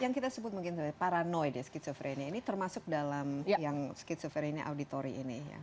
yang kita sebut mungkin sebagai paranoid ya schizophrenia ini termasuk dalam yang schizophrenia auditory ini ya